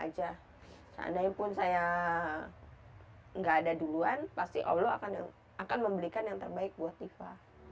pasti allah akan memberikan yang terbaik buat nifa